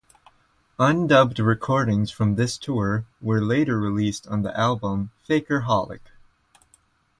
Un-dubbed recordings from this tour were later released on the album "Faker Holic".